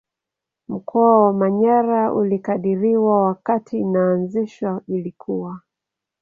Mkoa wa manyara ulikadiriwa wakati inaazishwa ilikuwa